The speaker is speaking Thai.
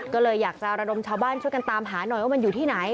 ก็เลยอยากจะระดมชาวบ้านช่วยกันตามหาหน่อยว่ามันอยู่ที่ไหน